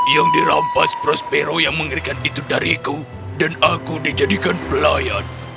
yang dirampas prospero yang mengerikan itu dariku dan aku dijadikan pelayan